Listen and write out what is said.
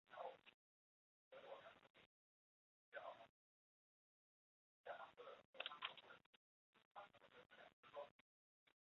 赫梅尔尼茨基试图缓和哥萨克与鞑靼人之间长达一百年的敌意。